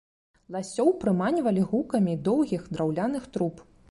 Ласёў прыманьвалі гукамі доўгіх драўляных труб.